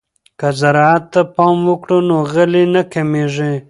که زراعت ته پام وکړو نو غلې نه کمیږي.